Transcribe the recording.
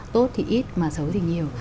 tốt thì ít mà xấu thì nhiều